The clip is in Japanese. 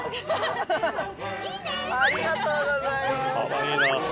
ありがとうございます。